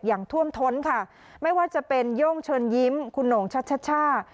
อย่างท่วมท้นค่ะไม่ว่าจะเป็นโย่งเชิญยิ้มคุณโหน่งชัชช่า